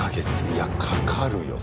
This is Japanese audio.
いやかかるよ